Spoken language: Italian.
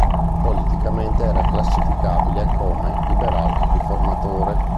Politicamente era classificabile come liberal-riformatore.